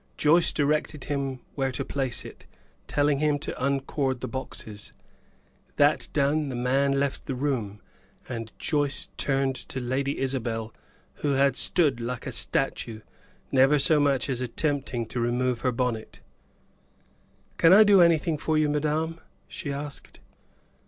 Joyce directed him where to place it, telling him to uncord the boxes. That done, the man left the room, and Joyce turned to Lady Isabel, who had stood like a statue, never so much as attempting to remove her bonnet. "Can I do anything for you, madame?" she asked.